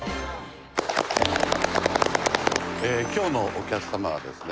今日のお客様はですね